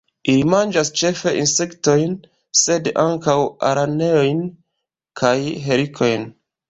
Ili manĝas ĉefe insektojn, sed ankaŭ araneojn kaj helikojn.